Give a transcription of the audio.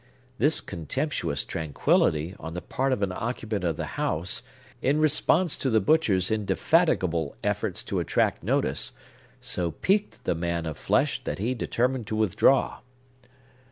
This contemptuous tranquillity on the part of an occupant of the house, in response to the butcher's indefatigable efforts to attract notice, so piqued the man of flesh that he determined to withdraw.